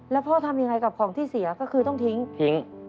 แล้วพ่อทำยังไงกับของที่เสียก็คือต้องทิ้งทิ้ง